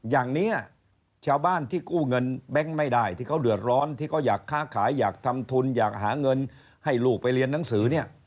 อย่างนี้ชาวบ้านที่กู้เงินแบงค์ไม่ได้ที่เขาเดือดร้อนที่เขาอยากค้าขายอยากทำทุนอยากหาเงินให้ลูกไปเรียนหนังสือเนี่ย